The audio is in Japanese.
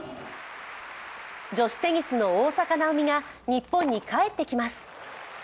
女子テニスの大坂なおみが日本に帰ってきます。